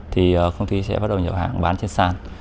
thì công ty sẽ bắt đầu nhập hàng bán trên sàn